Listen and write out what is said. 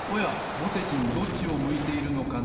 ぼてじんどっちを向いているのかな？